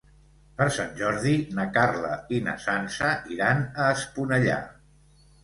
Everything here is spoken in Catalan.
Per Sant Jordi na Carla i na Sança iran a Esponellà.